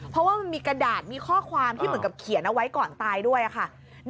เพราะว่ามันมีกระดาษมีข้อความที่เหมือนกับเขียนเอาไว้ก่อนตายด้วยค่ะ